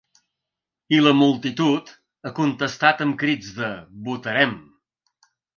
I la multitud ha contestat amb crits de ‘Votarem!’.